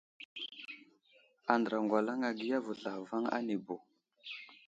Andra ŋgwalaŋ agiya vo zlavaŋ anibo.